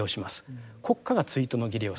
国家が追悼の儀礼をする。